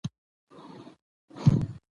ځيني مېلې د خیرات یا مرستي له پاره جوړېږي.